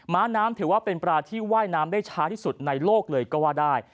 ้าน้ำถือว่าเป็นปลาที่ว่ายน้ำได้ช้าที่สุดในโลกเลยก็ว่าได้